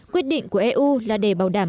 quyết định của eu là để bảo đảm